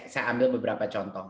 saya ambil beberapa contoh